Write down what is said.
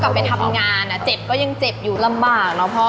กลับไปทำงานอ่ะเจ็บก็ยังเจ็บอยู่ลำบากเนอะพ่อ